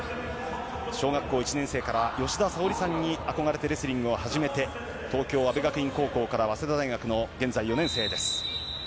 小学校１年生から吉田沙保里さんに憧れてレスリングを始めて東京・安部学院高校から早稲田大学の現在４年生です。